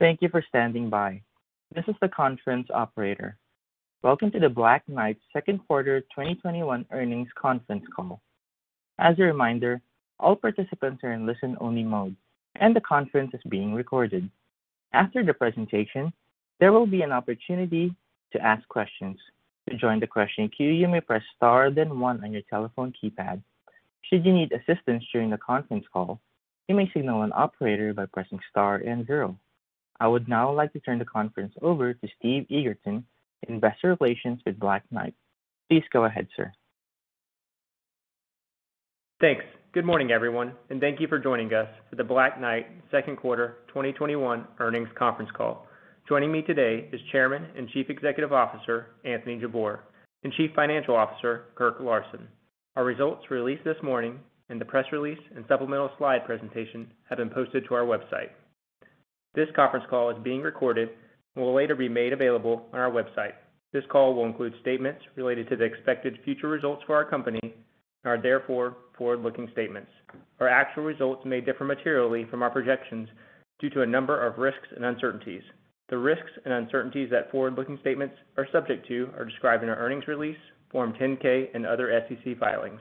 Thank you for standing by this is the conference operator. Welcome to the Black Knight second quarter 2021 earnings conference call. As a reminder all participants are in listen only mode and the conference is being recorded. After the presentation there will be an opportunity to ask questions. To join the question queue, you may press star then one your telephone keypad. Should you need assistance during the conference call you may signal the operator by pressing star and zero. I would now like to turn the conference over to Steve Eagerton, Investor Relations with Black Knight. Please go ahead, sir. Thanks. Good morning, everyone, and thank you for joining us for the Black Knight Second Quarter 2021 Earnings Conference Call. Joining me today is Chairman and Chief Executive Officer, Anthony Jabbour, and Chief Financial Officer, Kirk Larsen. Our results were released this morning, and the press release and supplemental slide presentation have been posted to our website. This conference call is being recorded and will later be made available on our website. This call will include statements related to the expected future results for our company and are therefore forward-looking statements. Our actual results may differ materially from our projections due to a number of risks and uncertainties. The risks and uncertainties that forward-looking statements are subject to are described in our earnings release, Form 10-K, and other SEC filings.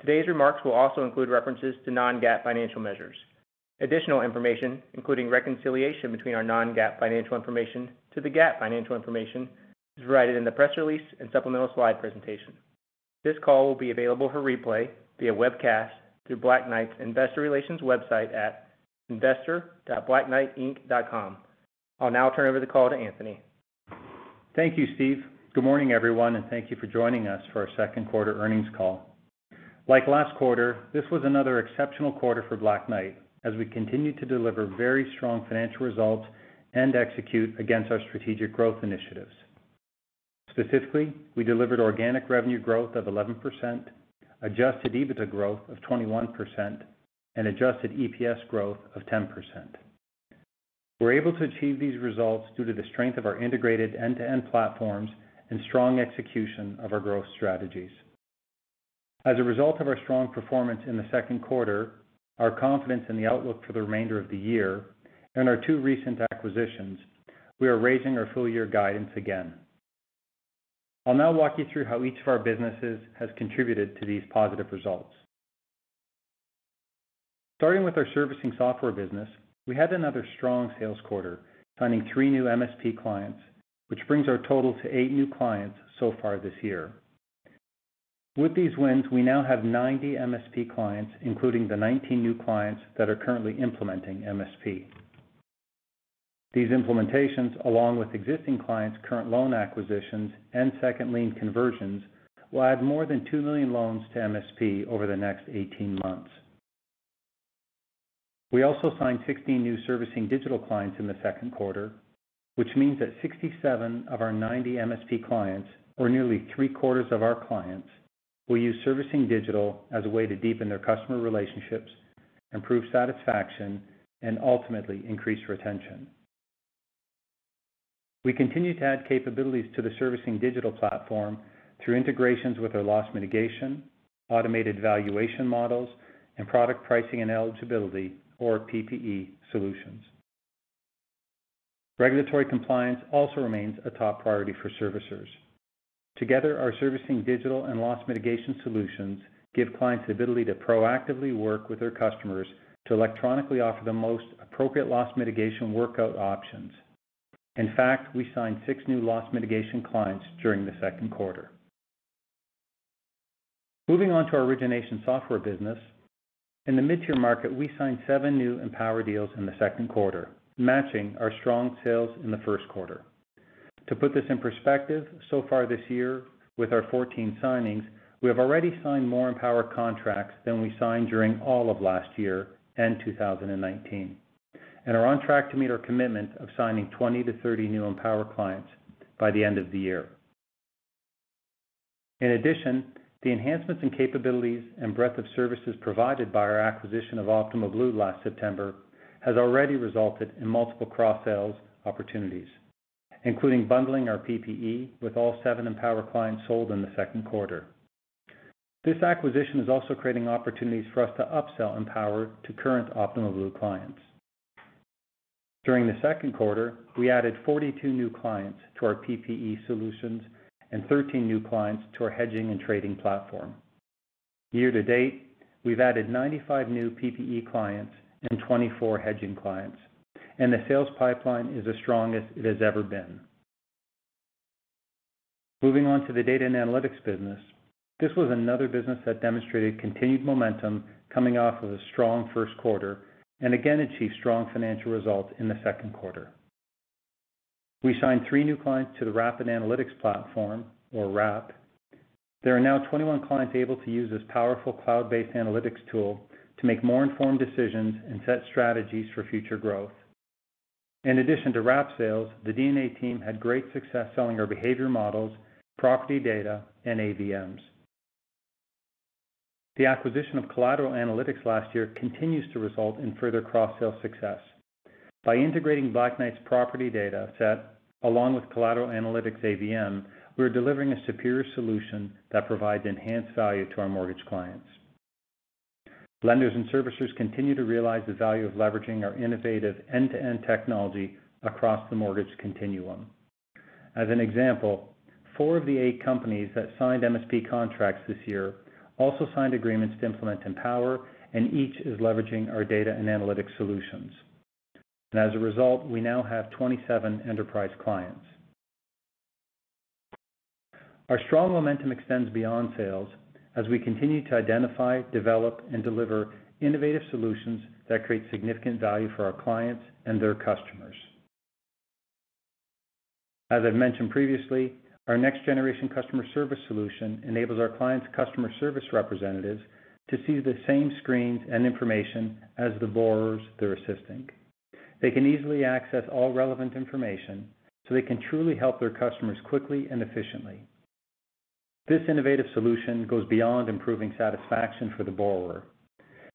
Today's remarks will also include references to non-GAAP financial measures. Additional information, including reconciliation between our non-GAAP financial information to the GAAP financial information, is provided in the press release and supplemental slide presentation. This call will be available for replay via webcast through Black Knight's investor relations website at investor.blackknightinc.com. I'll now turn over the call to Anthony. Thank you, Steve. Good morning, everyone, and thank you for joining us for our second quarter earnings call. Like last quarter, this was another exceptional quarter for Black Knight as we continue to deliver very strong financial results and execute against our strategic growth initiatives. Specifically, we delivered organic revenue growth of 11%, adjusted EBITDA growth of 21%, and adjusted EPS growth of 10%. We were able to achieve these results due to the strength of our integrated end-to-end platforms and strong execution of our growth strategies. As a result of our strong performance in the second quarter, our confidence in the outlook for the remainder of the year, and our two recent acquisitions, we are raising our full-year guidance again. I'll now walk you through how each of our businesses has contributed to these positive results. Starting with our Servicing Software business, we had another strong sales quarter, signing three new MSP clients, which brings our total to eight new clients so far this year. With these wins, we now have 90 MSP clients, including the 19 new clients that are currently implementing MSP. These implementations, along with existing clients' current loan acquisitions and second lien conversions, will add more than two million loans to MSP over the next 18 months. We also signed 16 new Servicing Digital clients in the second quarter, which means that 67 of our 90 MSP clients, or nearly three-quarters of our clients, will use Servicing Digital as a way to deepen their customer relationships, improve satisfaction, and ultimately increase retention. We continue to add capabilities to the Servicing Digital platform through integrations with our Loss Mitigation, Automated Valuation Models, and Product Pricing and Eligibility, or PPE solutions. Regulatory compliance also remains a top priority for servicers. Together, our Servicing Digital and Loss Mitigation solutions give clients the ability to proactively work with their customers to electronically offer the most appropriate Loss Mitigation workout options. In fact, we signed six new Loss Mitigation clients during the second quarter. Moving on to our Origination Software business. In the mid-tier market, we signed seven new Empower deals in the second quarter, matching our strong sales in the first quarter. To put this in perspective, so far this year with our 14 signings, we have already signed more Empower contracts than we signed during all of last year and 2019, and are on track to meet our commitment of signing 20 to 30 new Empower clients by the end of the year. In addition, the enhancements in capabilities and breadth of services provided by our acquisition of Optimal Blue last September has already resulted in multiple cross-sales opportunities, including bundling our PPE with all seven Empower clients sold in the second quarter. This acquisition is also creating opportunities for us to upsell Empower to current Optimal Blue clients. During the second quarter, we added 42 new clients to our PPE solutions and 13 new clients to our Hedging and Trading platform. Year to date, we've added 95 new PPE clients and 24 hedging clients, and the sales pipeline is the strongest it has ever been. Moving on to the Data and Analytics business. This was another business that demonstrated continued momentum coming off of a strong first quarter and again achieved strong financial results in the second quarter. We signed three new clients to the Rapid Analytics Platform, or RAP. There are now 21 clients able to use this powerful cloud-based analytics tool to make more informed decisions and set strategies for future growth. In addition to RAP sales, the DNA team had great success selling our behavior models, property data, and AVMs. The acquisition of Collateral Analytics last year continues to result in further cross-sale success. By integrating Black Knight's property data set along with Collateral Analytics AVM, we're delivering a superior solution that provides enhanced value to our mortgage clients. Lenders and servicers continue to realize the value of leveraging our innovative end-to-end technology across the mortgage continuum. As an example, four of the eight companies that signed MSP contracts this year also signed agreements to implement Empower, and each is leveraging our data and analytics solutions. As a result, we now have 27 enterprise clients. Our strong momentum extends beyond sales as we continue to identify, develop, and deliver innovative solutions that create significant value for our clients and their customers. As I've mentioned previously, our next-generation customer service solution enables our clients' customer service representatives to see the same screens and information as the borrowers they're assisting. They can easily access all relevant information so they can truly help their customers quickly and efficiently. This innovative solution goes beyond improving satisfaction for the borrower.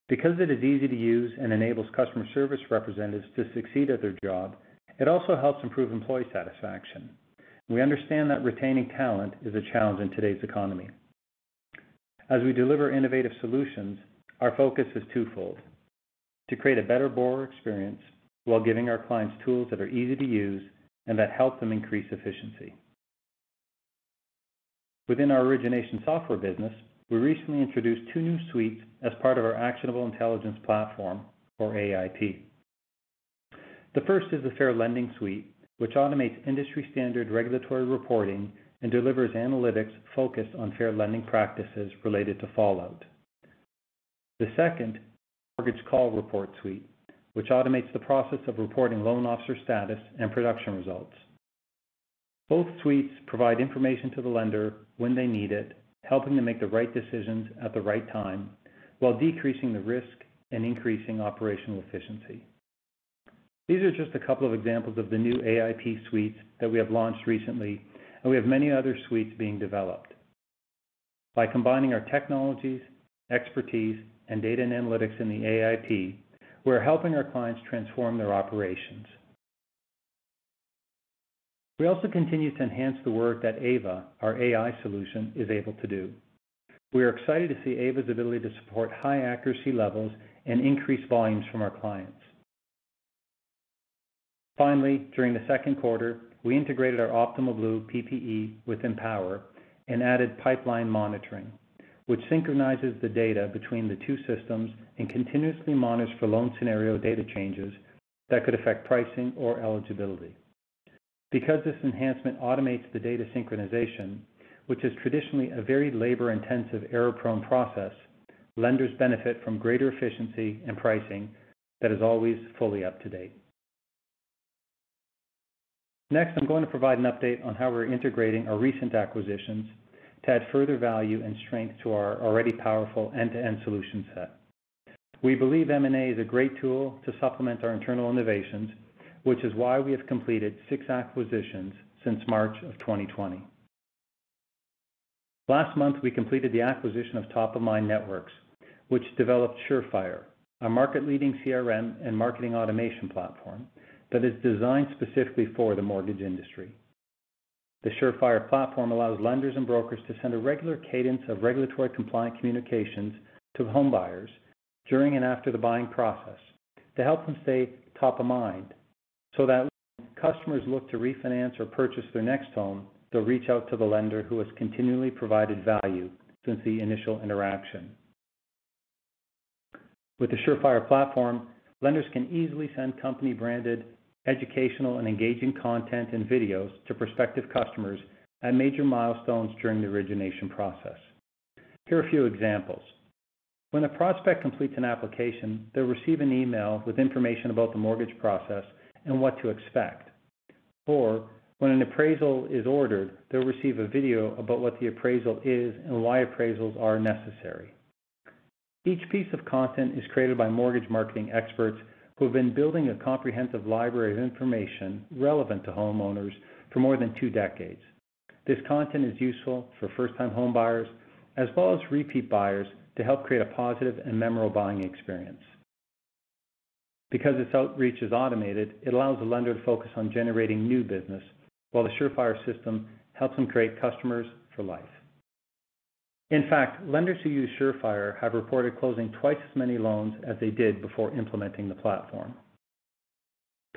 Because it is easy to use and enables customer service representatives to succeed at their job, it also helps improve employee satisfaction. We understand that retaining talent is a challenge in today's economy. As we deliver innovative solutions, our focus is twofold: to create a better borrower experience while giving our clients tools that are easy to use and that help them increase efficiency. Within our origination software business, we recently introduced two new suites as part of our Actionable Intelligence Platform, or AIP. The first is the Fair Lending Suite, which automates industry-standard regulatory reporting and delivers analytics focused on fair lending practices related to fallout. The second, Mortgage Call Report Suite, which automates the process of reporting loan officer status and production results. Both suites provide information to the lender when they need it, helping them make the right decisions at the right time while decreasing the risk and increasing operational efficiency. These are just a couple of examples of the new AIP suites that we have launched recently, and we have many other suites being developed. By combining our technologies, expertise, and Data and Analytics in the AIP, we're helping our clients transform their operations. We also continue to enhance the work that AIVA, our AI solution, is able to do. We are excited to see AIVA's ability to support high accuracy levels and increase volumes from our clients. Finally, during the second quarter, we integrated our Optimal Blue PPE with Empower and added pipeline monitoring, which synchronizes the data between the two systems and continuously monitors for loan scenario data changes that could affect pricing or eligibility. Because this enhancement automates the data synchronization, which is traditionally a very labor-intensive, error-prone process, lenders benefit from greater efficiency and pricing that is always fully up to date. Next, I'm going to provide an update on how we're integrating our recent acquisitions to add further value and strength to our already powerful end-to-end solution set. We believe M&A is a great tool to supplement our internal innovations, which is why we have completed six acquisitions since March of 2020. Last month, we completed the acquisition of Top of Mind Networks, which developed Surefire, a market-leading CRM and marketing automation platform that is designed specifically for the mortgage industry. The Surefire platform allows lenders and brokers to send a regular cadence of regulatory-compliant communications to homebuyers during and after the buying process to help them stay top of mind, so that when customers look to refinance or purchase their next home, they'll reach out to the lender who has continually provided value since the initial interaction. With the Surefire platform, lenders can easily send company-branded educational and engaging content and videos to prospective customers at major milestones during the origination process. Here are a few examples. When a prospect completes an application, they'll receive an email with information about the mortgage process and what to expect. When an appraisal is ordered, they'll receive a video about what the appraisal is and why appraisals are necessary. Each piece of content is created by mortgage marketing experts who have been building a comprehensive library of information relevant to homeowners for more than two decades. This content is useful for first-time homebuyers as well as repeat buyers to help create a positive and memorable buying experience. Because this outreach is automated, it allows the lender to focus on generating new business while the Surefire system helps them create customers for life. In fact, lenders who use Surefire have reported closing twice as many loans as they did before implementing the platform.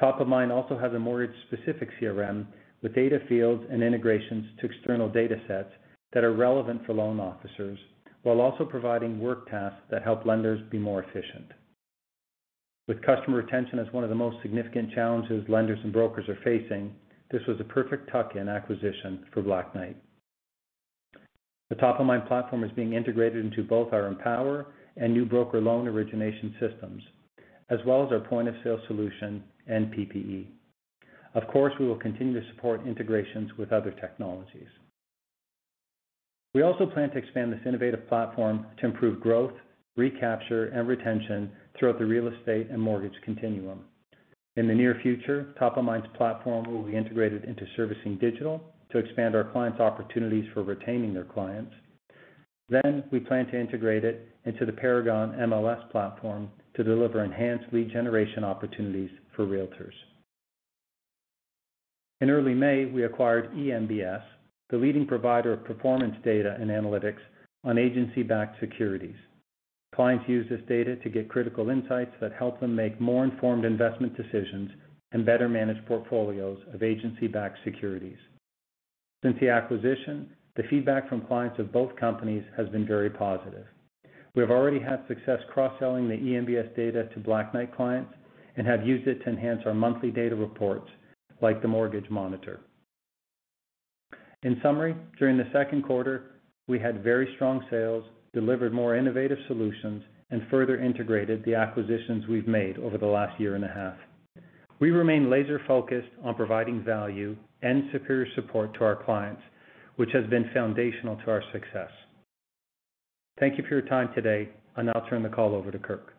Top of Mind also has a mortgage-specific CRM with data fields and integrations to external data sets that are relevant for loan officers, while also providing work tasks that help lenders be more efficient. With customer retention as one of the most significant challenges lenders and brokers are facing, this was a perfect tuck-in acquisition for Black Knight. The Top of Mind platform is being integrated into both our Empower and new broker loan origination systems, as well as our point-of-sale solution and PPE. Of course, we will continue to support integrations with other technologies. We also plan to expand this innovative platform to improve growth, recapture, and retention throughout the real estate and mortgage continuum. In the near future, Top of Mind's platform will be integrated into Servicing Digital to expand our clients' opportunities for retaining their clients. We plan to integrate it into the Paragon MLS platform to deliver enhanced lead generation opportunities for realtors. In early May, we acquired eMBS the leading provider of performance data and analytics on agency-backed securities. Clients use this data to get critical insights that help them make more informed investment decisions and better manage portfolios of agency-backed securities. Since the acquisition, the feedback from clients of both companies has been very positive. We have already had success cross selling the eMBS data to Black Knight clients and have used it to enhance our monthly data reports, like the Mortgage Monitor. In summary, during the second quarter, we had very strong sales, delivered more innovative solutions, and further integrated the acquisitions we've made over the last year and a half. We remain laser-focused on providing value and superior support to our clients, which has been foundational to our success. Thank you for your time today. I'll now turn the call over to Kirk.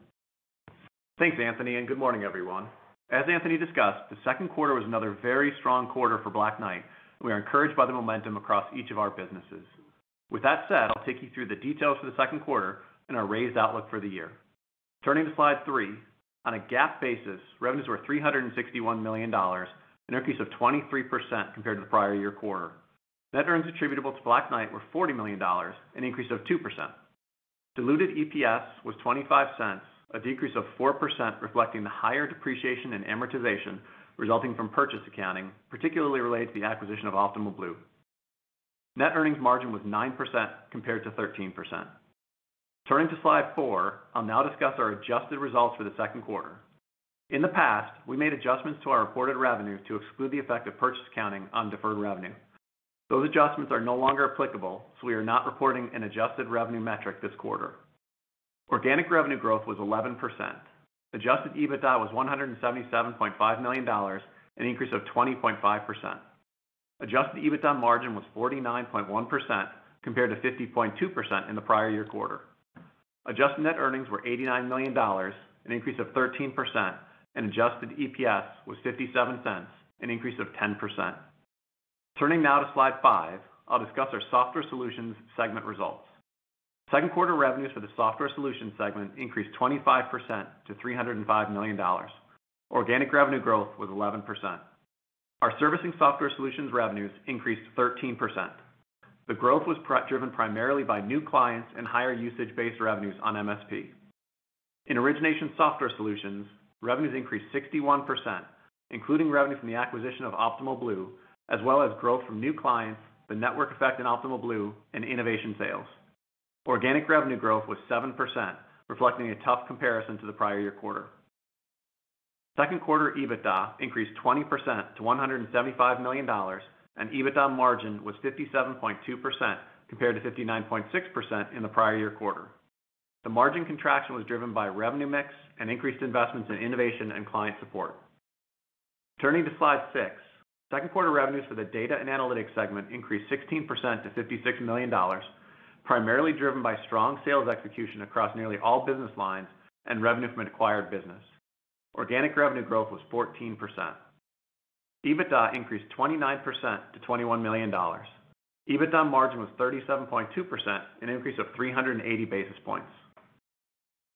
Thanks, Anthony, and good morning, everyone. As Anthony discussed, the second quarter was another very strong quarter for Black Knight. We are encouraged by the momentum across each of our businesses. With that said, I will take you through the details for the second quarter and our raised outlook for the year. Turning to slide three, on a GAAP basis, revenues were $361 million, an increase of 23% compared to the prior year quarter. Net earnings attributable to Black Knight were $40 million, an increase of 2%. Diluted EPS was $0.25, a decrease of 4%, reflecting the higher depreciation in amortization resulting from purchase accounting, particularly related to the acquisition of Optimal Blue. Net earnings margin was 9% compared to 13%. Turning to slide four, I will now discuss our adjusted results for the second quarter. In the past, we made adjustments to our reported revenue to exclude the effect of purchase accounting on deferred revenue. Those adjustments are no longer applicable, so we are not reporting an adjusted revenue metric this quarter. Organic revenue growth was 11%. Adjusted EBITDA was $177.5 million, an increase of 20.5%. Adjusted EBITDA margin was 49.1% compared to 50.2% in the prior year quarter. Adjusted net earnings were $89 million, an increase of 13%, and adjusted EPS was $0.57, an increase of 10%. Turning now to slide five, I'll discuss our Software Solutions segment results. Second quarter revenues for the Software Solutions segment increased 25% to $305 million. Organic revenue growth was 11%. Our Servicing Software Solutions revenues increased 13%. The growth was driven primarily by new clients and higher usage-based revenues on MSP. In Origination Software Solutions, revenues increased 61%, including revenue from the acquisition of Optimal Blue, as well as growth from new clients, the network effect in Optimal Blue, and innovation sales. Organic revenue growth was 7%, reflecting a tough comparison to the prior year quarter. Second quarter EBITDA increased 20% to $175 million, and EBITDA margin was 57.2% compared to 59.6% in the prior year quarter. The margin contraction was driven by revenue mix and increased investments in innovation and client support. Turning to slide six, second quarter revenues for the Data and Analytics segment increased 16% to $56 million, primarily driven by strong sales execution across nearly all business lines and revenue from an acquired business. Organic revenue growth was 14%. EBITDA increased 29% to $21 million. EBITDA margin was 37.2%, an increase of 380 basis points.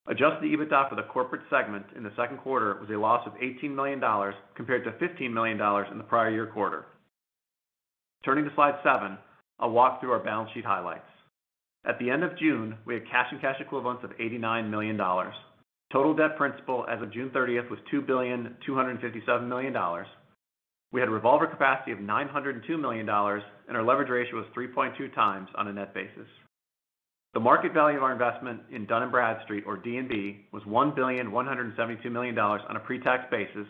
Adjusted EBITDA for the corporate segment in the second quarter was a loss of $18 million, compared to $15 million in the prior year quarter. Turning to slide seven, I'll walk through our balance sheet highlights. At the end of June, we had cash and cash equivalents of $89 million. Total debt principal as of June 30th was $2,257,000,000. We had a revolver capacity of $902 million, and our leverage ratio was 3.2x on a net basis. The market value of our investment in Dun & Bradstreet, or D&B, was $1,172,000,000 on a pre-tax basis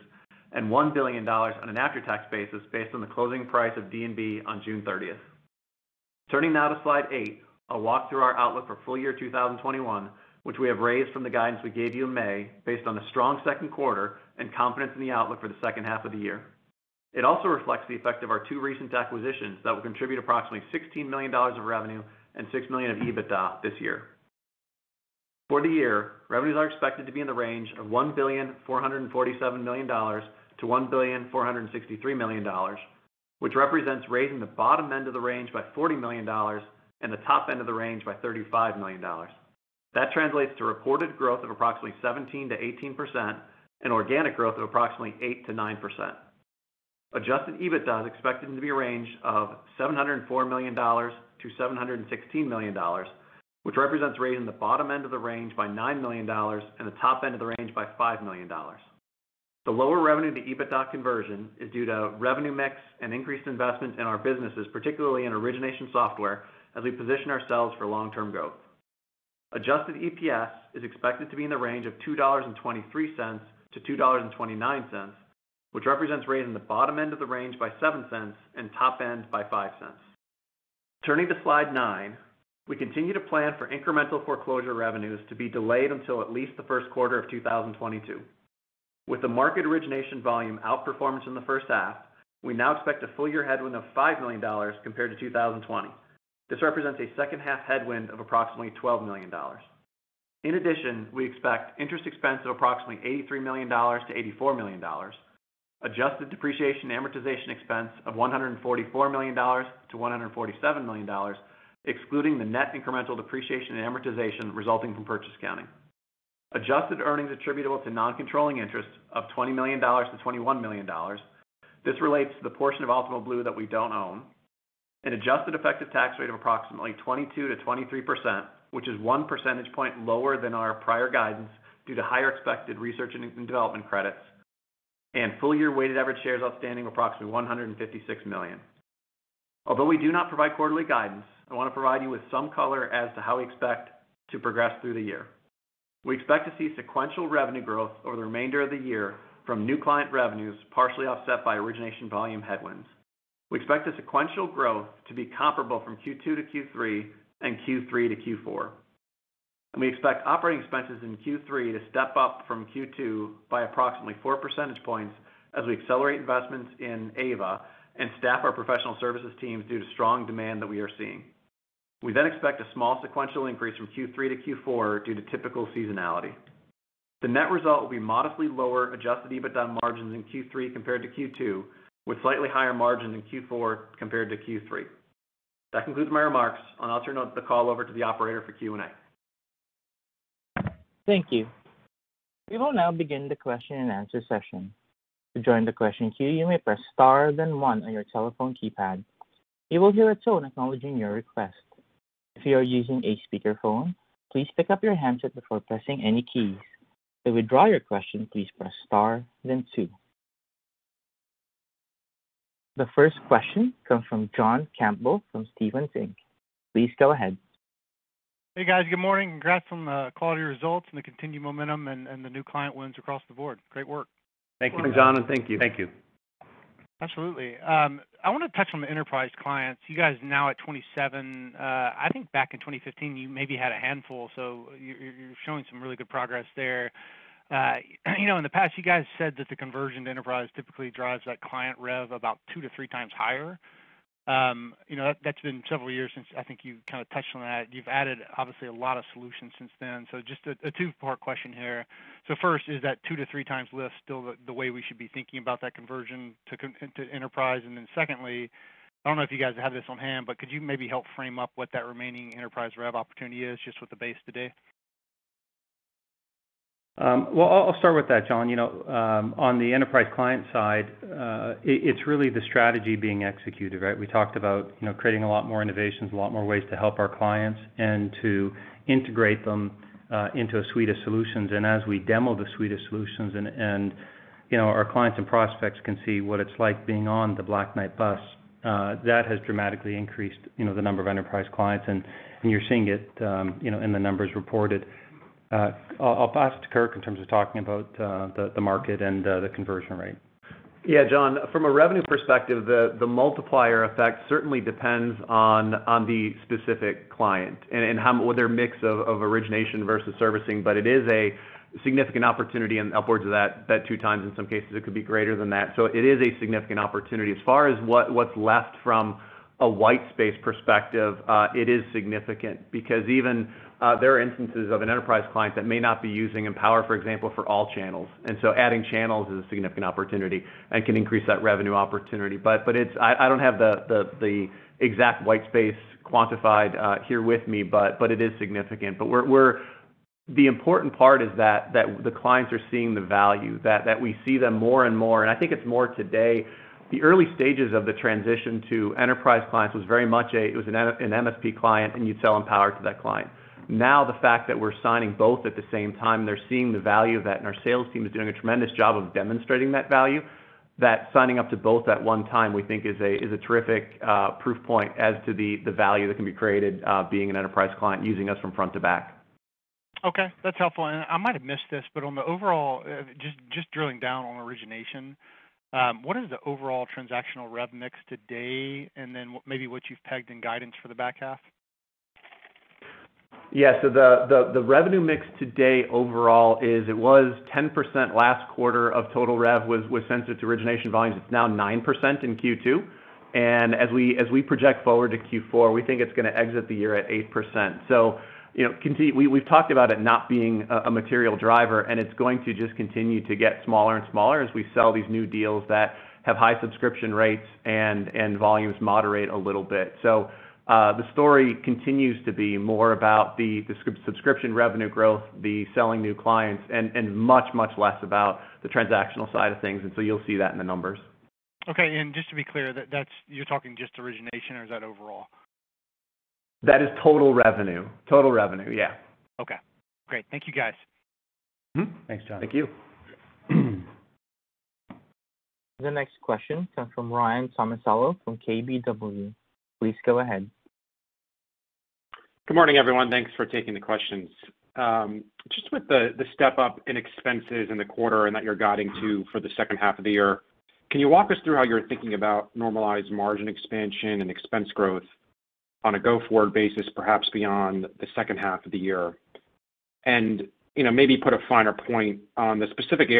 and $1 billion on an after-tax basis based on the closing price of D&B on June 30th. Turning now to slide eight, I'll walk through our outlook for full year 2021, which we have raised from the guidance we gave you in May based on a strong second quarter and confidence in the outlook for the second half of the year. It also reflects the effect of our two recent acquisitions that will contribute approximately $16 million of revenue and $6 million of EBITDA this year. For the year, revenues are expected to be in the range of $1,447,000,000 to $1,463,000,000, which represents raising the bottom end of the range by $40 million and the top end of the range by $35 million. That translates to reported growth of approximately 17%-18% and organic growth of approximately 8%-9%. Adjusted EBITDA is expected to be a range of $704 million-$716 million, which represents raising the bottom end of the range by $9 million and the top end of the range by $5 million. The lower revenue-to-EBITDA conversion is due to revenue mix and increased investment in our businesses, particularly in origination software, as we position ourselves for long-term growth. Adjusted EPS is expected to be in the range of $2.23-$2.29, which represents raising the bottom end of the range by $0.07 and top end by $0.05. Turning to slide nine, we continue to plan for incremental foreclosure revenues to be delayed until at least the first quarter of 2022. With the market origination volume outperformance in the first half, we now expect a full-year headwind of $5 million compared to 2020. This represents a second half headwind of approximately $12 million. We expect interest expense of approximately $83 million-$84 million. Adjusted depreciation and amortization expense of $144 million-$147 million, excluding the net incremental depreciation and amortization resulting from purchase accounting. Adjusted earnings attributable to non-controlling interests of $20 million-$21 million. This relates to the portion of Optimal Blue that we don't own. An adjusted effective tax rate of approximately 22%-23%, which is one percentage point lower than our prior guidance due to higher expected research and development credits. Full year weighted average shares outstanding of approximately 156 million. Although we do not provide quarterly guidance, I want to provide you with some color as to how we expect to progress through the year. We expect to see sequential revenue growth over the remainder of the year from new client revenues, partially offset by origination volume headwinds. We expect the sequential growth to be comparable from Q2 to Q3 and Q3 to Q4. We expect operating expenses in Q3 to step up from Q2 by approximately four percentage points as we accelerate investments in AIVA and staff our professional services teams due to strong demand that we are seeing. We expect a small sequential increase from Q3 to Q4 due to typical seasonality. The net result will be modestly lower adjusted EBITDA margins in Q3 compared to Q2, with slightly higher margins in Q4 compared to Q3. That concludes my remarks. I'll now turn the call over to the operator for Q&A. Thank you. You will now begin the question and answer session. To join the question queue, you may press star then one on you telephone keypad you will be atoned acknowledging your request. If you are using a speaker phone, please put up your hand before pressing any key. To withdraw your question you may press star then two. The first question comes from John Campbell from Stephens Inc. Please go ahead. Hey, guys. Good morning. Congrats on the quality results and the continued momentum and the new client wins across the board. Great work. Thank you, John. Thank you. Absolutely. I want to touch on the enterprise clients. You guys now at 27. I think back in 2015, you maybe had a handful. You're showing some really good progress there. In the past, you guys said that the conversion to enterprise typically drives that client rev about 2x to 3x higher. That's been several years since I think you've touched on that. You've added obviously a lot of solutions since then. Just a two-part question here. First, is that 2x to 3x lift still the way we should be thinking about that conversion to enterprise? Secondly, I don't know if you guys have this on hand. Could you maybe help frame up what that remaining enterprise rev opportunity is just with the base today? Well, I'll start with that, John. On the enterprise client side, it's really the strategy being executed, right? We talked about creating a lot more innovations, a lot more ways to help our clients and to integrate them into a suite of solutions. As we demo the suite of solutions and our clients and prospects can see what it's like being on the Black Knight bus, that has dramatically increased the number of enterprise clients, and you're seeing it in the numbers reported. I'll pass it to Kirk in terms of talking about the market and the conversion rate. Yeah, John, from a revenue perspective, the multiplier effect certainly depends on the specific client and their mix of origination versus servicing. It is a significant opportunity and upwards of that 2x, in some cases it could be greater than that. It is a significant opportunity. As far as what's left from a white space perspective, it is significant because even there are instances of an enterprise client that may not be using Empower, for example, for all channels. Adding channels is a significant opportunity and can increase that revenue opportunity. I don't have the exact white space quantified here with me, but it is significant. The important part is that the clients are seeing the value, that we see them more and more, and I think it's more today. The early stages of the transition to enterprise clients was very much an MSP client, and you'd sell Empower to that client. Now the fact that we're signing both at the same time, they're seeing the value of that, and our sales team is doing a tremendous job of demonstrating that value. That signing up to both at one time we think is a terrific proof point as to the value that can be created being an enterprise client using us from front to back. Okay. That's helpful. I might have missed this, but just drilling down on origination, what is the overall transactional rev mix today, and then maybe what you've pegged in guidance for the back half? Yeah. The revenue mix today overall is it was 10% last quarter of total rev was sensed its origination volumes. It's now 9% in Q2. As we project forward to Q4, we think it's going to exit the year at 8%. We've talked about it not being a material driver, and it's going to just continue to get smaller and smaller as we sell these new deals that have high subscription rates and volumes moderate a little bit. The story continues to be more about the subscription revenue growth, the selling new clients, and much less about the transactional side of things. You'll see that in the numbers. Okay. Just to be clear, you're talking just origination or is that overall? That is total revenue. Total revenue, yeah. Okay. Great. Thank you guys. Thanks, John. Thank you. The next question comes from Ryan Tomasello from KBW. Please go ahead. Good morning, everyone. Thanks for taking the questions. Just with the step-up in expenses in the quarter and that you're guiding to for the second half of the year, can you walk us through how you're thinking about normalized margin expansion and expense growth on a go-forward basis, perhaps beyond the second half of the year? Maybe put a finer point on the specific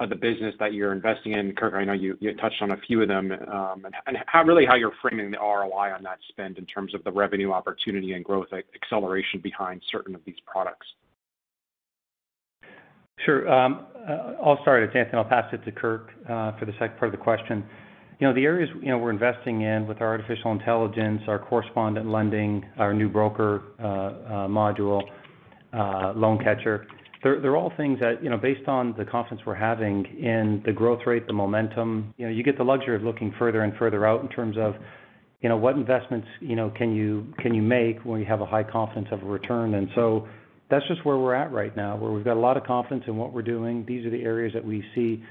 areas that the business that you're investing in, Kirk, I know you touched on a few of them, and really how you're framing the ROI on that spend in terms of the revenue opportunity and growth acceleration behind certain of these products. Sure. I'll start, Anthony, and I'll pass it to Kirk for the second part of the question. The areas we're investing in with our artificial intelligence, our correspondent lending, our new broker module, LoanCatcher, they're all things that, based on the confidence we're having in the growth rate, the momentum, you get the luxury of looking further and further out in terms of what investments can you make when you have a high confidence of a return. That's just where we're at right now, where we've got a lot of confidence in what we're doing. These are the areas that we see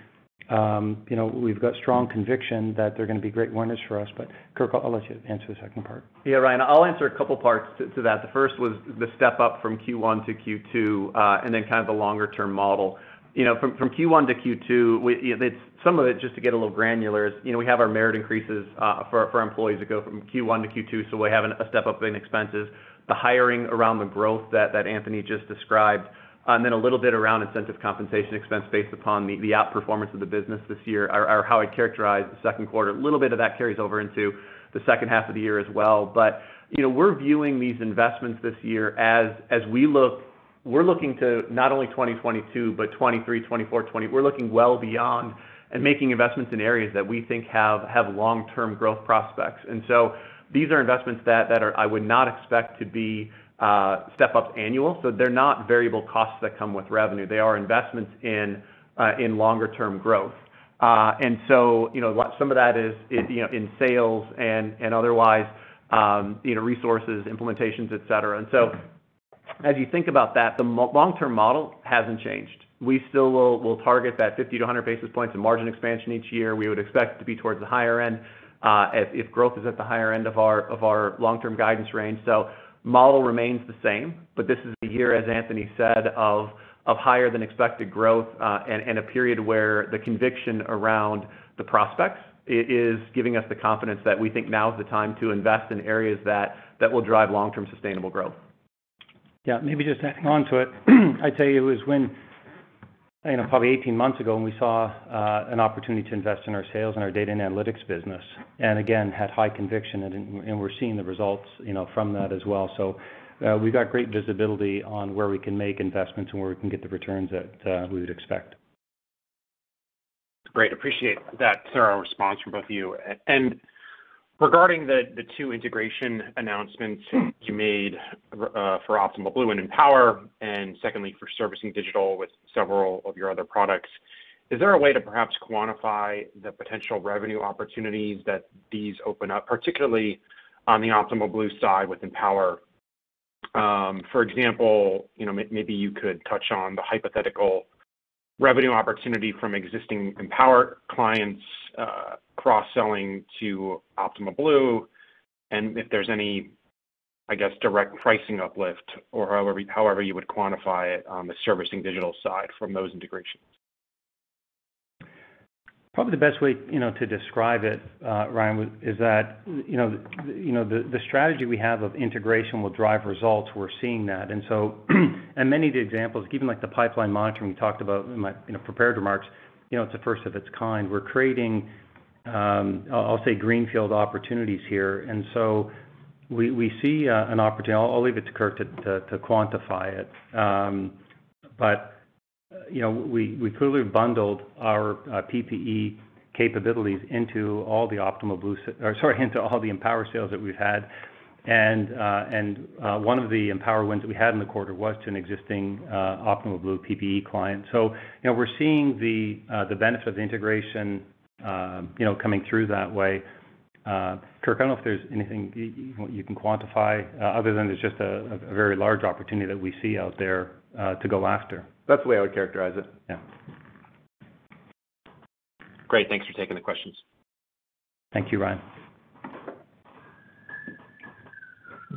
we've got strong conviction that they're going to be great winners for us. Kirk, I'll let you answer the second part. Yeah, Ryan, I'll answer a couple parts to that. The first was the step-up from Q1 to Q2, then kind of the longer-term model. From Q1 to Q2, some of it, just to get a little granular is, we have our merit increases for our employees that go from Q1 to Q2, we have a step-up in expenses. The hiring around the growth that Anthony just described, then a little bit around incentive compensation expense based upon the outperformance of the business this year, or how I'd characterize the second quarter. A little bit of that carries over into the second half of the year as well. We're viewing these investments this year as we're looking to not only 2022, but 2023, 2024, we're looking well beyond and making investments in areas that we think have long-term growth prospects. These are investments that I would not expect to be step-ups annual. They're not variable costs that come with revenue. They are investments in longer-term growth. Some of that is in sales and otherwise, resources, implementations, et cetera. As you think about that, the long-term model hasn't changed. We still will target that 50-100 basis points in margin expansion each year. We would expect it to be towards the higher end if growth is at the higher end of our long-term guidance range. The model remains the same, but this is a year, as Anthony said, of higher than expected growth, and a period where the conviction around the prospects is giving us the confidence that we think now is the time to invest in areas that will drive long-term sustainable growth. Yeah. Maybe just adding on to it. I'd tell you it was when, probably 18 months ago, when we saw an opportunity to invest in our sales and our Data and Analytics business, and again, had high conviction, and we're seeing the results from that as well. We've got great visibility on where we can make investments and where we can get the returns that we would expect. Great. Appreciate that thorough response from both of you. Regarding the two integration announcements you made for Optimal Blue and Empower, and secondly, for Servicing Digital with several of your other products, is there a way to perhaps quantify the potential revenue opportunities that these open up, particularly on the Optimal Blue side with Empower? For example, maybe you could touch on the hypothetical revenue opportunity from existing Empower clients cross-selling to Optimal Blue, and if there's any, I guess, direct pricing uplift or however you would quantify it on the servicing digital side from those integrations. Probably the best way to describe it, Ryan, is that the strategy we have of integration will drive results. We're seeing that. Many of the examples, even like the pipeline monitoring we talked about in my prepared remarks, it's the first of its kind. We're creating, I'll say, greenfield opportunities here. We see an opportunity. I'll leave it to Kirk to quantify it. We clearly bundled our PPE capabilities into all the Empower sales that we've had, and one of the Empower wins we had in the quarter was to an existing Optimal Blue PPE client. We're seeing the benefit of the integration coming through that way. Kirk, I don't know if there's anything you can quantify other than it's just a very large opportunity that we see out there to go after. That's the way I would characterize it. Yeah. Great. Thanks for taking the questions. Thank you, Ryan.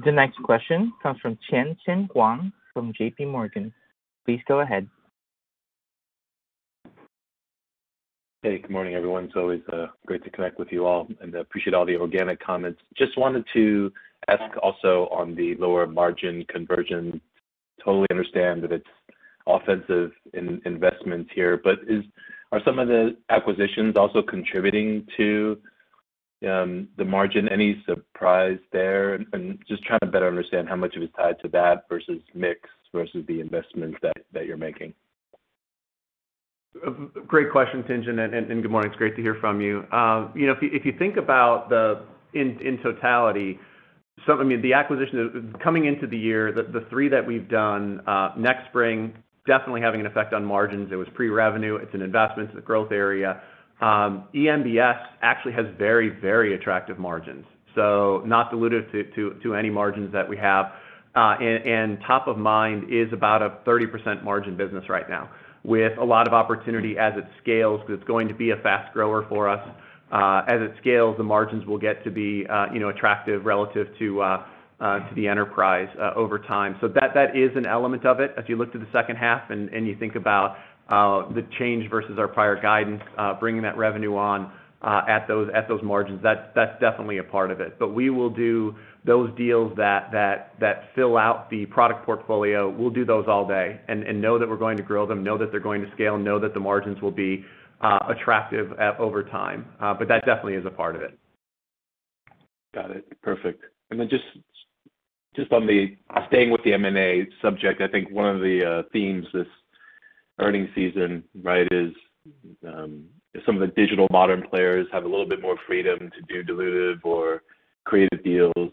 The next question comes from Tien-Tsin Huang from JPMorgan. Please go ahead. Hey, good morning, everyone. It's always great to connect with you all, and I appreciate all the organic comments. Just wanted to ask also on the lower margin conversion. Totally understand that it's offensive investments here, but are some of the acquisitions also contributing to the margin? Any surprise there? Just trying to better understand how much of it's tied to that versus mix versus the investments that you're making. Great question, Tien-Tsin, good morning. It's great to hear from you. You think about in totality, the acquisition coming into the year, the three that we've done, NexSpring Financial, definitely having an effect on margins. It was pre-revenue. It's an investment, It's a growth area. eMBS actually has very attractive margins. Not dilutive to any margins that we have. Top of Mind Networks is about a 30% margin business right now with a lot of opportunity as it scales because it's going to be a fast grower for us. As it scales, the margins will get to be attractive relative to the enterprise over time. That is an element of it. You look to the second half and you think about the change versus our prior guidance, bringing that revenue on at those margins, that's definitely a part of it. We will do those deals that fill out the product portfolio. We'll do those all day and know that we're going to grow them, know that they're going to scale, know that the margins will be attractive over time. That definitely is a part of it. Got it. Perfect. Then just on the staying with the M&A subject, I think one of the themes this earnings season is some of the digital modern players have a little bit more freedom to do dilutive or accretive deals.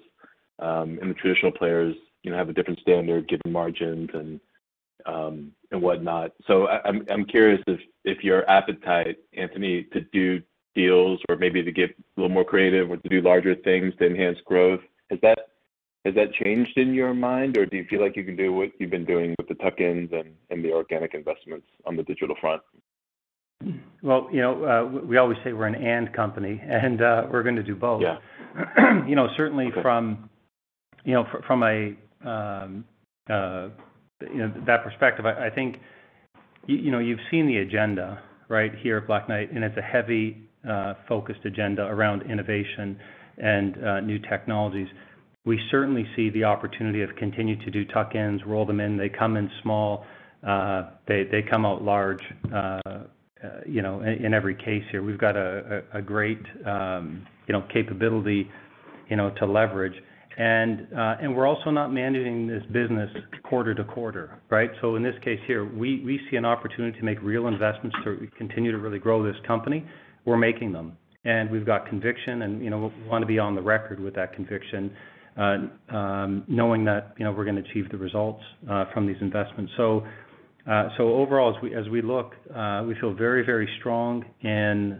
The traditional players have a different standard given margin and what not. I'm curious if your appetite, Anthony, to do deals or maybe to get a little more creative or to do larger things to enhance growth. Has that changed in your mind, or do you feel like you can do what you've been doing with the tuck-ins and the organic investments on the digital front? Well, we always say we're and company, and we're going to do both. Yeah, you know certainly from that perspective, I think you've seen the agenda here at Black Knight, and it's a heavy, focused agenda around innovation and new technologies. We certainly see the opportunity to continue to do tuck-ins, roll them in. They come in small; they come out large in every case here. We've got a great capability to leverage. We're also not managing this business quarter to quarter, right? In this case here, we see an opportunity to make real investments to continue to really grow this company. We're making them. We've got conviction and we want to be on the record with that conviction, knowing that we're going to achieve the results from these investments. Overall, as we look, we feel very strong in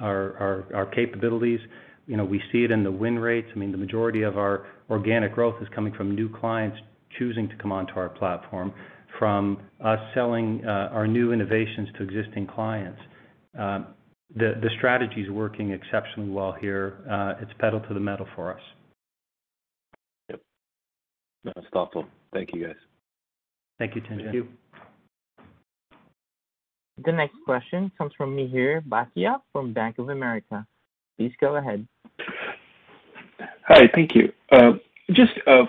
our capabilities. We see it in the win rates. The majority of our organic growth is coming from new clients choosing to come onto our platform, from us selling our new innovations to existing clients. The strategy's working exceptionally well here. It's pedal to the metal for us. Yep. No, that's thoughtful. Thank you, guys. Thank you, Tien-Tsin Huang. The next question comes from Mihir Bhatia from Bank of America. Please go ahead. Hi, thank you.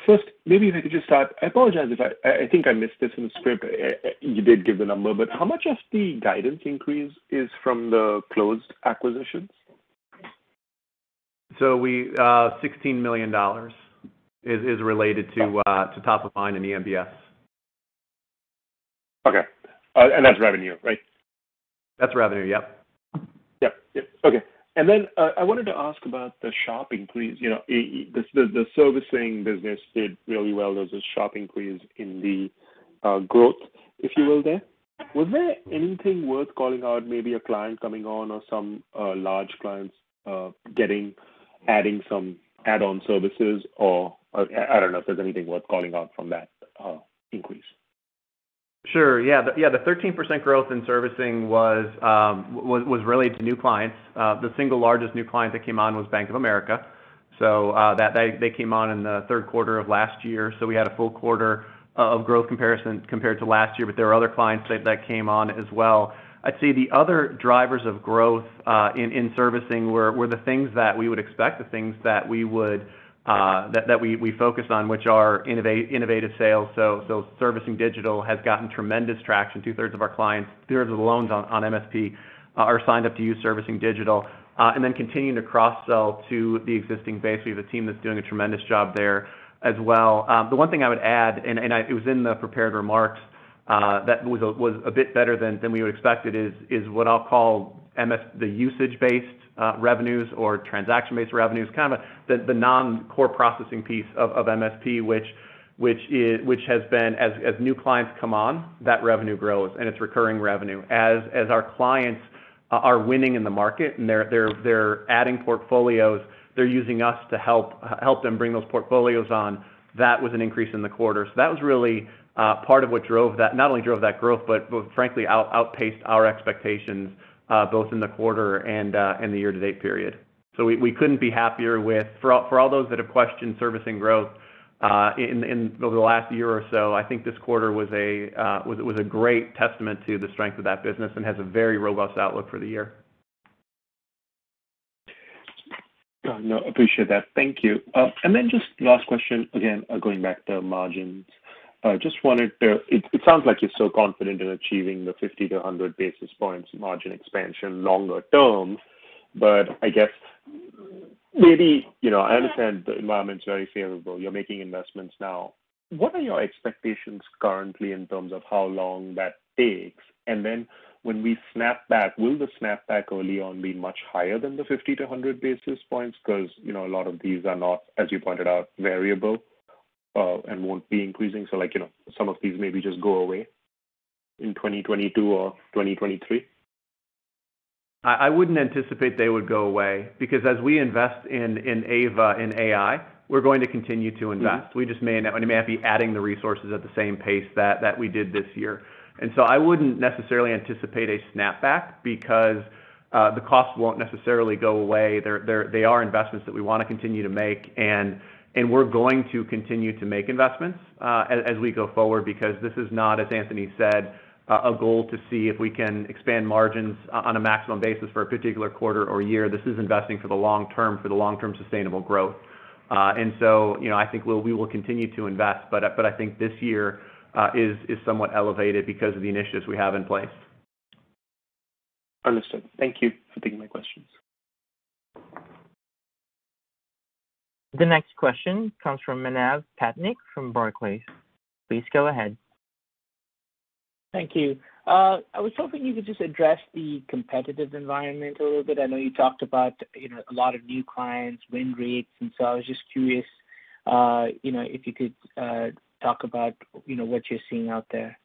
First, maybe if I could just start, I apologize if I think I missed this in the script. You did give the number, how much of the guidance increase is from the closed acquisitions? $16 million is related to Top of Mind in eMBS. Okay. That's revenue, right? That's revenue, yep. Yep. Okay. I wanted to ask about the shopping increase. The servicing business did really well. There was a sharp increase in the growth, if you will, there. Was there anything worth calling out, maybe a client coming on or some large clients adding some add-on services or, I don't know if there's anything worth calling out from that increase? Sure. Yeah. The 13% growth in servicing was related to new clients. The single largest new client that came on was Bank of America. They came on in the third quarter of last year, so we had a full quarter of growth compared to last year, but there are other clients that came on as well. I'd say the other drivers of growth in servicing were the things that we would expect, the things that we focused on, which are innovative sales. Servicing Digital has gotten tremendous traction. 2/3 of our clients, 2/3 of the loans on MSP are signed up to use Servicing Digital. Continuing to cross-sell to the existing base. We have a team that's doing a tremendous job there as well. The one thing I would add, and it was in the prepared remarks, that was a bit better than we would expect it is what I'll call the usage-based revenues or transaction-based revenues, kind of the non-core processing piece of MSP, which has been as new clients come on, that revenue grows and it's recurring revenue. As our clients are winning in the market and they're adding portfolios, they're using us to help them bring those portfolios on. That was an increase in the quarter. That was really part of what not only drove that growth, but frankly, outpaced our expectations both in the quarter and in the year-to-date period. We couldn't be happier with, for all those that have questioned servicing growth over the last year or so, I think this quarter was a great testament to the strength of that business and has a very robust outlook for the year. No, appreciate that. Thank you. Just last question, again, going back to margins .It sound like you so confident achieving the 50 -100 basis points margin expansion longer term but I guess maybe, I understand the environments is very favorable. You're making investments now. What are your expectations currently in terms of how long that takes? When we snap back, will the snapback early on be much higher than the 50 to 100 basis points? Because a lot of these are not, as you pointed out, variable and won't be increasing. Some of these maybe just go away in 2022 or 2023? I wouldn't anticipate they would go away because as we invest in AIVA and AI, we're going to continue to invest. We just may not be adding the resources at the same pace that we did this year. I wouldn't necessarily anticipate a snapback because the costs won't necessarily go away. They are investments that we want to continue to make, and we're going to continue to make investments as we go forward because this is not, as Anthony said, a goal to see if we can expand margins on a maximum basis for a particular quarter or year. This is investing for the long term, for the long-term sustainable growth. I think we will continue to invest, but I think this year is somewhat elevated because of the initiatives we have in place. Understood. Thank you for taking my questions. The next question comes from Manav Patnaik from Barclays. Please go ahead. Thank you. I was hoping you could just address the competitive environment a little bit. I know you talked about a lot of new clients, win rates. I was just curious if you could talk about what you're seeing out there.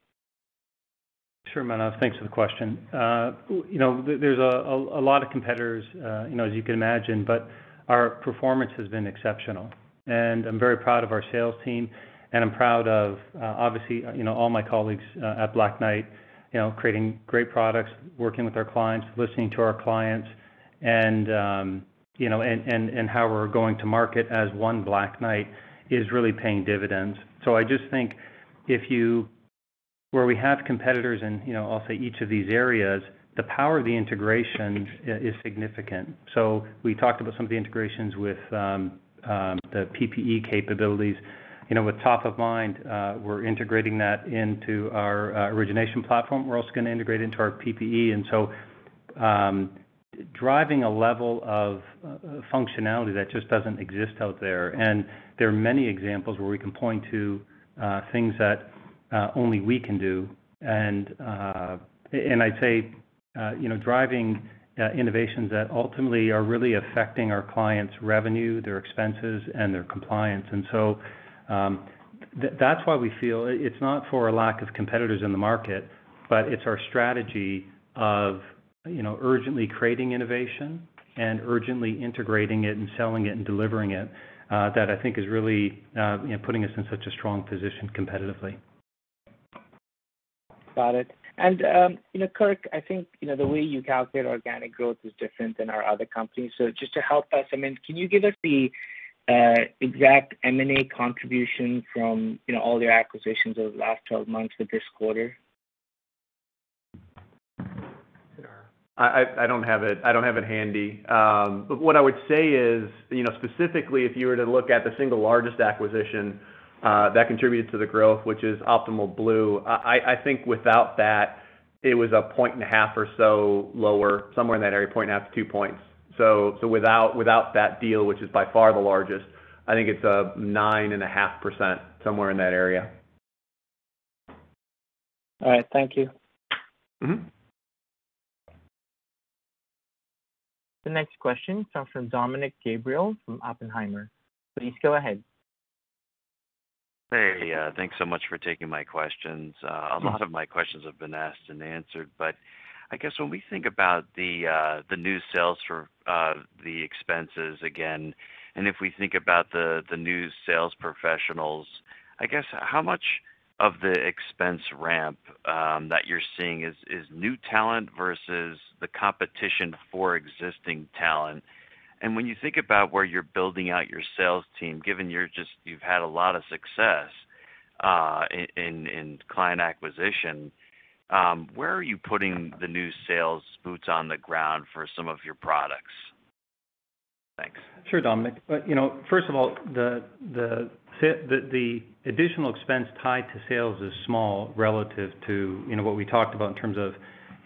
Sure, Manav. Thanks for the question. There's a lot of competitors as you can imagine, but our performance has been exceptional. I'm very proud of our sales team, and I'm proud of, obviously, all my colleagues at Black Knight creating great products, working with our clients, listening to our clients, and how we're going to market as one Black Knight is really paying dividends. I just think where we have competitors, and I'll say each of these areas, the power of the integration is significant. We talked about some of the integrations with the PPE capabilities. With Top of Mind, we're integrating that into our origination platform. We're also going to integrate into our PPE, and so driving a level of functionality that just doesn't exist out there. There are many examples where we can point to things that only we can do. I'd say driving innovations that ultimately are really affecting our clients' revenue, their expenses, and their compliance. That's why we feel it's not for a lack of competitors in the market, but it's our strategy of urgently creating innovation and urgently integrating it and selling it and delivering it that I think is really putting us in such a strong position competitively. Got it. And Kirk, I think the way you calculate organic growth is different than our other companies. Just to help us, can you give us the exact M&A contribution from all your acquisitions over the last 12 months with this quarter? I don't have it handy. What I would say is, specifically, if you were to look at the single largest acquisition that contributed to the growth, which is Optimal Blue, I think without that, it was 1.5% or so lower, somewhere in that area, 1.5%, 2%. Without that deal, which is by far the largest, I think it's 9.5%, somewhere in that area. All right. Thank you. The next question comes from Dominick Gabriele from Oppenheimer. Please go ahead. Hey, thanks so much for taking my questions. A lot of my questions have been asked and answered, but I guess when we think about the new sales for the expenses again, and if we think about the new sales professionals, I guess how much of the expense ramp that you're seeing is new talent versus the competition for existing talent? When you think about where you're building out your sales team, given you've had a lot of success in client acquisition, where are you putting the new sales boots on the ground for some of your products? Thanks. Sure, Dominick. First of all, the additional expense tied to sales is small relative to what we talked about in terms of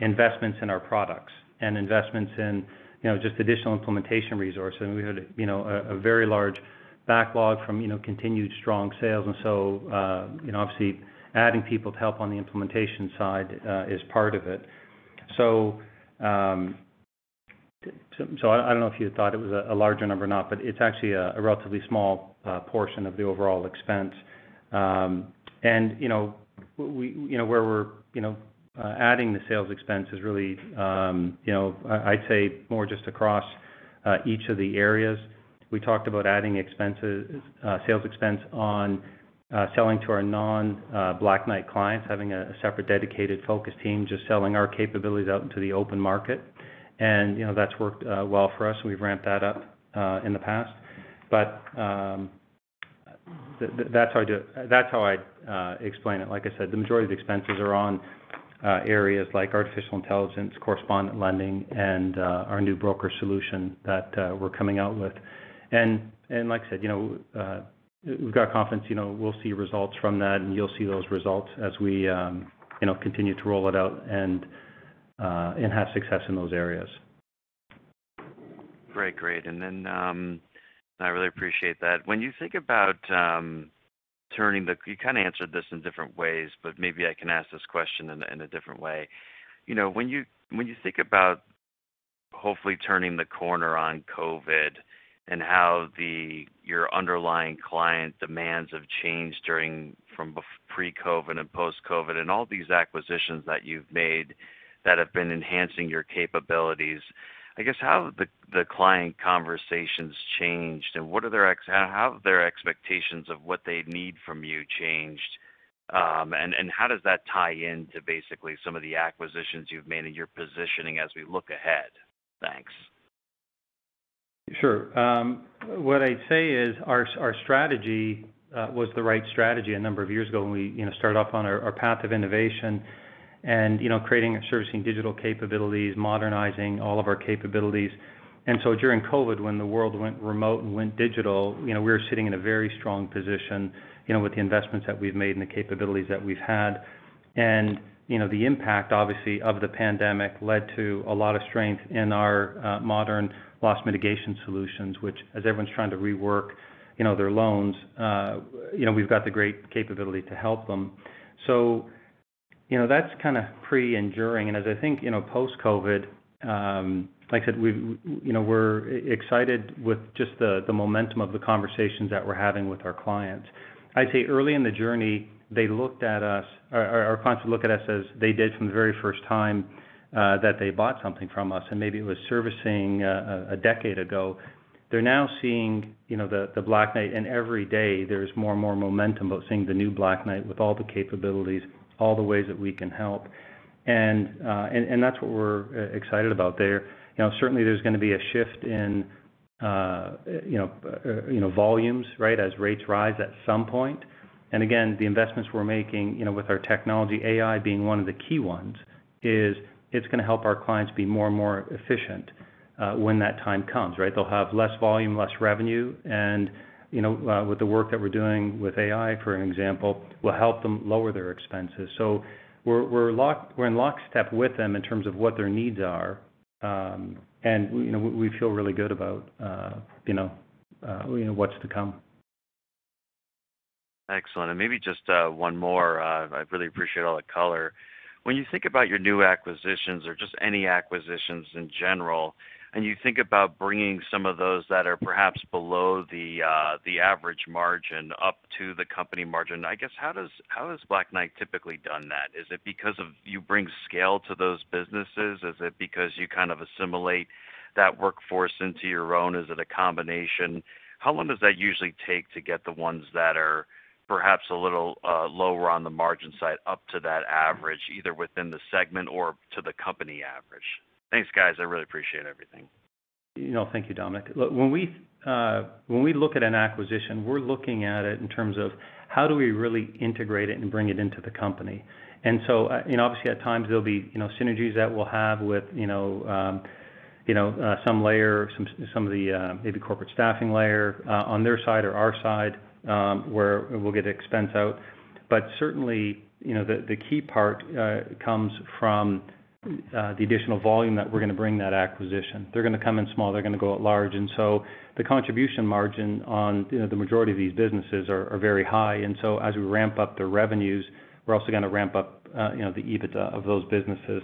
investments in our products and investments in just additional implementation resource. We had a very large backlog from continued strong sales. Obviously adding people to help on the implementation side is part of it. I don't know if you thought it was a larger number or not, but it's actually a relatively small portion of the overall expense. Where we're adding the sales expense is really I'd say more just across each of the areas. We talked about adding sales expense on selling to our non-Black Knight clients, having a separate dedicated focus team just selling our capabilities out into the open market. That's worked well for us. We've ramped that up in the past. That's how I'd explain it. Like I said, the majority of the expenses are on areas like artificial intelligence, correspondent lending, and our new broker solution that we're coming out with. Like I said, we've got confidence we'll see results from that, and you'll see those results as we continue to roll it out and have success in those areas. Great. I really appreciate that. You kind of answered this in different ways. Maybe I can ask this question in a different way. When you think about hopefully turning the corner on COVID and how your underlying client demands have changed from pre-COVID and post-COVID and all these acquisitions that you've made that have been enhancing your capabilities, I guess, how have the client conversations changed and how have their expectations of what they need from you changed? How does that tie into basically some of the acquisitions you've made and your positioning as we look ahead? Thanks. Sure. What I'd say is our strategy was the right strategy a number of years ago when we started off on our path of innovation and creating and Servicing Digital capabilities, modernizing all of our capabilities. During COVID, when the world went remote and went digital, we were sitting in a very strong position with the investments that we've made and the capabilities that we've had. The impact, obviously, of the pandemic led to a lot of strength in our modern Loss Mitigation solutions, which as everyone's trying to rework their loans, we've got the great capability to help them. That's kind of pretty enduring. As I think post-COVID, like I said, we're excited with just the momentum of the conversations that we're having with our clients. I'd say early in the journey, our clients look at us as they did from the very first time that they bought something from us, and maybe it was servicing a decade ago. They're now seeing the Black Knight, and every day there's more and more momentum about seeing the new Black Knight with all the capabilities, all the ways that we can help. That's what we're excited about there. Certainly there's going to be a shift in volumes as rates rise at some point. Again, the investments we're making with our technology, AI being one of the key ones, is it's going to help our clients be more and more efficient when that time comes. They'll have less volume, less revenue, and with the work that we're doing with AI, for an example, will help them lower their expenses. We're in lockstep with them in terms of what their needs are. We feel really good about what's to come. Excellent. Maybe just one more. I really appreciate all the color. When you think about your new acquisitions or just any acquisitions in general, and you think about bringing some of those that are perhaps below the average margin up to the company margin, I guess, how has Black Knight typically done that? Is it because you bring scale to those businesses? Is it because you kind of assimilate that workforce into your own? Is it a combination? How long does that usually take to get the ones that are perhaps a little lower on the margin side up to that average, either within the segment or to the company average? Thanks, guys. I really appreciate everything. Thank you, Dominick. When we look at an acquisition, we're looking at it in terms of how do we really integrate it and bring it into the company. Obviously at times there'll be synergies that we'll have with some layer, maybe corporate staffing layer on their side or our side, where we'll get expense out. Certainly, the key part comes from the additional volume that we're going to bring that acquisition. They're going to come in small, they're going to go out large. The contribution margin on the majority of these businesses are very high. As we ramp up the revenues, we're also going to ramp up the EBITDA of those businesses.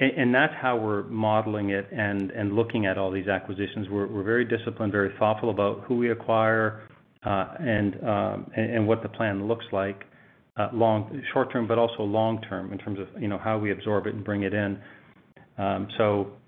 That's how we're modeling it and looking at all these acquisitions. We're very disciplined, very thoughtful about who we acquire and what the plan looks like short term, but also long term in terms of how we absorb it and bring it in. From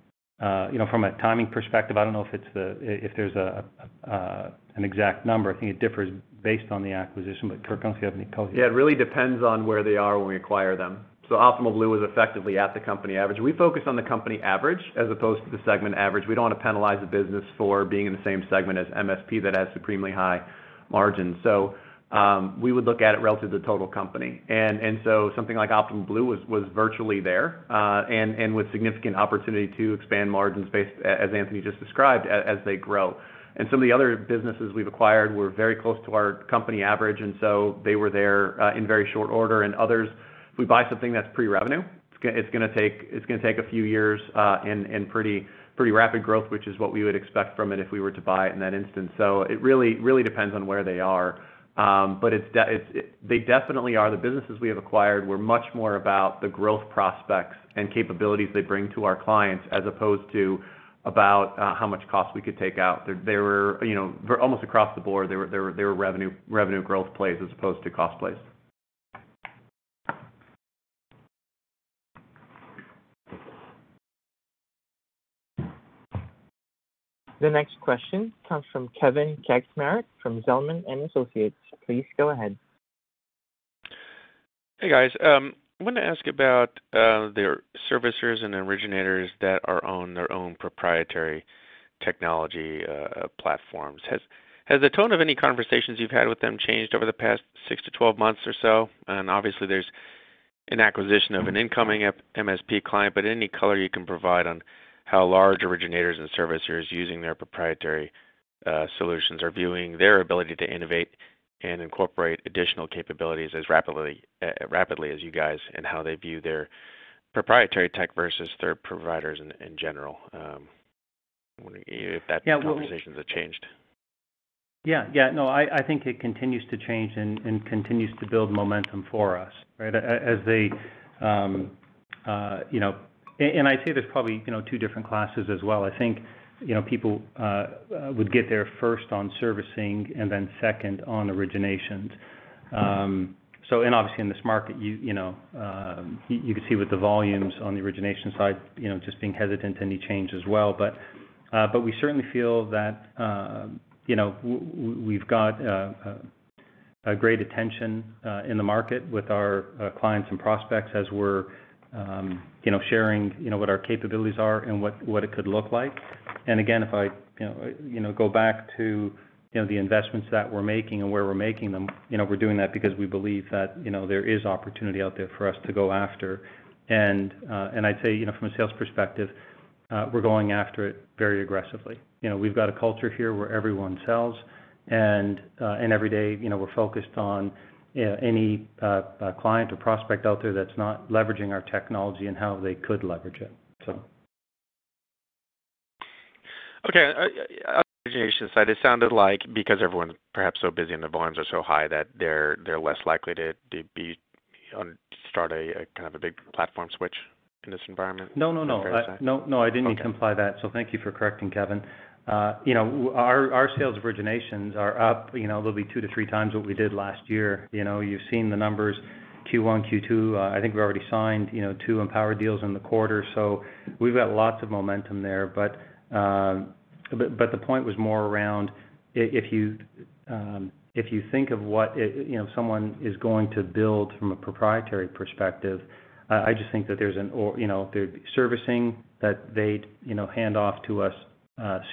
a timing perspective, I don't know if there's an exact number. I think it differs based on the acquisition. Kirk, don't you have any thoughts? Yeah, it really depends on where they are when we acquire them. Optimal Blue was effectively at the company average. We focus on the company average as opposed to the segment average. We don't want to penalize a business for being in the same segment as MSP that has supremely high margins. We would look at it relative to total company. Something like Optimal Blue was virtually there, and with significant opportunity to expand margins based, as Anthony just described, as they grow. Some of the other businesses we've acquired were very close to our company average, they were there in very short order. Others, we buy something that's pre-revenue. It's going to take a few years and pretty rapid growth, which is what we would expect from it if we were to buy it in that instance. It really depends on where they are. The businesses we have acquired were much more about the growth prospects and capabilities they bring to our clients as opposed to about how much cost we could take out. Almost across the board, they were revenue growth plays as opposed to cost plays. The next question comes from Kevin Kaczmarek from Zelman & Associates. Please go ahead. Hey, guys. I want to ask about their servicers and originators that are on their own proprietary technology platforms. Has the tone of any conversations you've had with them changed over the past six to 12 months or so? Obviously there's an acquisition of an incoming MSP client, but any color you can provide on how large originators and servicers using their proprietary solutions are viewing their ability to innovate and incorporate additional capabilities as rapidly as you guys, and how they view their proprietary tech versus third providers in general has changed. Yeah. No, I think it continues to change and continues to build momentum for us. I'd say there's probably two different classes as well. I think people would get there first on servicing and then second on originations. Obviously in this market, you could see with the volumes on the origination side just being hesitant to any change as well. We certainly feel that we've got a great attention in the market with our clients and prospects as we're sharing what our capabilities are and what it could look like. Again, if I go back to the investments that we're making and where we're making them, we're doing that because we believe that there is opportunity out there for us to go after. I'd say from a sales perspective, we're going after it very aggressively. We've got a culture here where everyone sells. Every day, we're focused on any client or prospect out there that's not leveraging our technology and how they could leverage it. On the origination side, it sounded like because everyone's perhaps so busy and the volumes are so high that they're less likely to start a kind of a big platform switch in this environment. No, no. On the origination side. No, I didn't mean to imply that, so thank you for correcting, Kevin. Our sales originations are up. They'll be 2x to 3x what we did last year. You've seen the numbers, Q1, Q2. I think we already signed two Empower deals in the quarter. We've got lots of momentum there. The point was more around if you think of what someone is going to build from a proprietary perspective, I just think that there'd be servicing that they'd hand off to us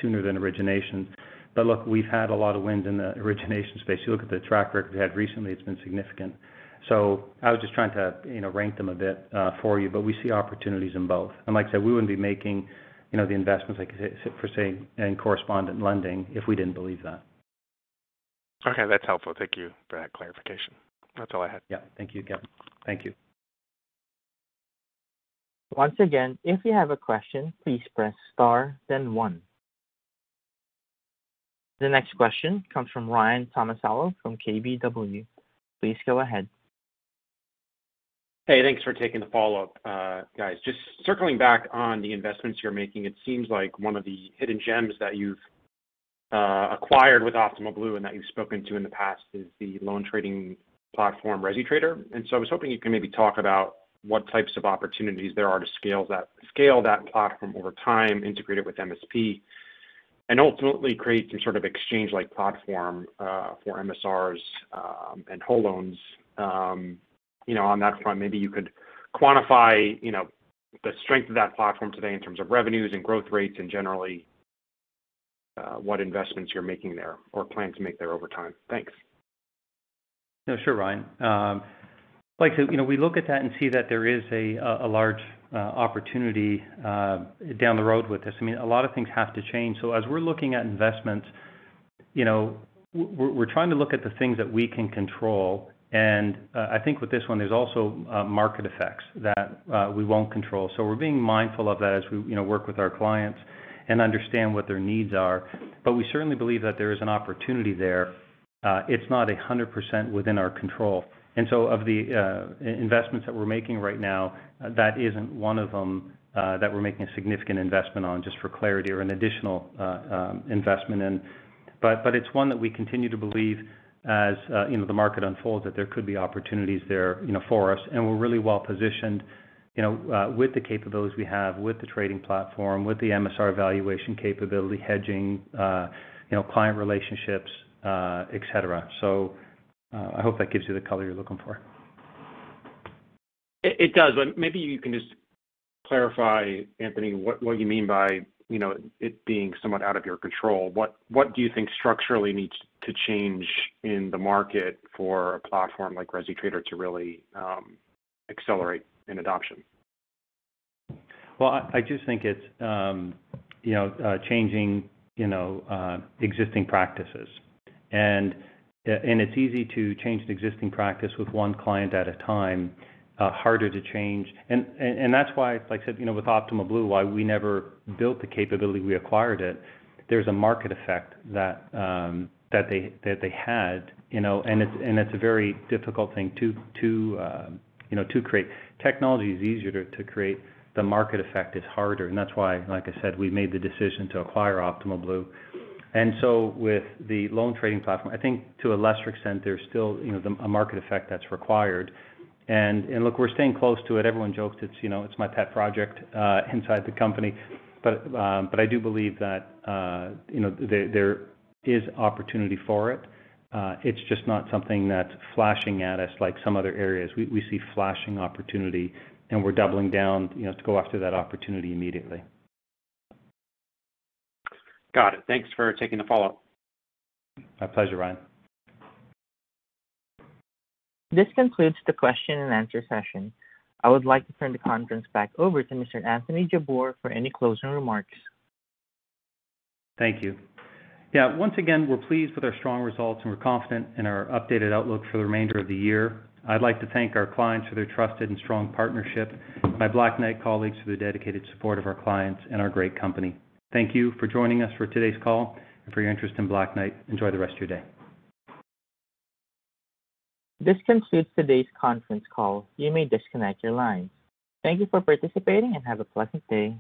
sooner than origination. Look, we've had a lot of wins in the origination space. You look at the track record we had recently, it's been significant. I was just trying to rank them a bit for you, but we see opportunities in both. Like I said, we wouldn't be making the investments, for say, in correspondent lending if we didn't believe that. Okay. That's helpful. Thank you for that clarification. That's all I had. Yeah. Thank you, Kevin. Thank you. Once again if you have a question, please press star then one. The next question comes from Ryan Tomasello from KBW. Please go ahead. Hey, thanks for taking the follow-up, guys. Just circling back on the investments you're making, it seems like one of the hidden gems that you've acquired with Optimal Blue and that you've spoken to in the past is the loan trading platform, ResiTrader. I was hoping you could maybe talk about what types of opportunities there are to scale that platform over time, integrate it with MSP, and ultimately create some sort of exchange-like platform for MSRs and whole loans. On that front, maybe you could quantify the strength of that platform today in terms of revenues and growth rates, and generally, what investments you're making there or plan to make there over time. Thanks. Yeah, sure, Ryan. We look at that and see that there is a large opportunity down the road with this. A lot of things have to change. As we're looking at investments, we're trying to look at the things that we can control. I think with this one, there's also market effects that we won't control. We're being mindful of that as we work with our clients and understand what their needs are. We certainly believe that there is an opportunity there. It's not 100% within our control. Of the investments that we're making right now, that isn't one of them that we're making a significant investment on, just for clarity, or an additional investment in. It's one that we continue to believe as the market unfolds, that there could be opportunities there for us. We're really well-positioned with the capabilities we have, with the trading platform, with the MSR valuation capability, hedging, client relationships, et cetera. I hope that gives you the color you're looking for. It does. Maybe you can just clarify, Anthony, what you mean by it being somewhat out of your control. What do you think structurally needs to change in the market for a platform like ResiTrader to really accelerate in adoption? Well, I just think it's changing existing practices. It's easy to change the existing practice with one client at a time. That's why, like I said, with Optimal Blue, why we never built the capability, we acquired it. It's a very difficult thing to create. Technology is easier to create. The market effect is harder. That's why, like I said, we made the decision to acquire Optimal Blue. With the loan trading platform, I think to a lesser extent, there's still a market effect that's required. Look, we're staying close to it. Everyone jokes it's my pet project inside the company. I do believe that there is opportunity for it. It's just not something that's flashing at us like some other areas. We see flashing opportunity, and we're doubling down to go after that opportunity immediately. Got it. Thanks for taking the follow-up. My pleasure, Ryan. This concludes the question and answer session. I would like to turn the conference back over to Mr. Anthony Jabbour for any closing remarks. Thank you. Once again, we're pleased with our strong results, and we're confident in our updated outlook for the remainder of the year. I'd like to thank our clients for their trusted and strong partnership, my Black Knight colleagues for their dedicated support of our clients, and our great company. Thank you for joining us for today's call and for your interest in Black Knight. Enjoy the rest of your day. This concludes today's conference call. You may disconnect your lines. Thank you for participating and have a pleasant day.